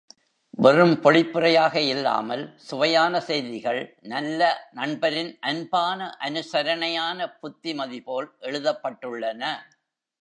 வெறும் பொழிப்புரையாக இல்லாமல், சுவையான செய்திகள், நல்ல நண்பரின் அன்பான அனுசரனணயான புத்திமதிபோல் எழுதப்பட்டுள்ளன.